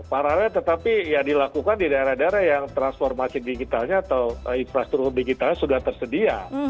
paralel tetapi ya dilakukan di daerah daerah yang transformasi digitalnya atau infrastruktur digitalnya sudah tersedia